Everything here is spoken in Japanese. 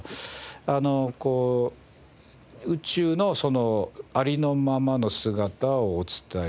あの宇宙のありのままの姿をお伝えしたい。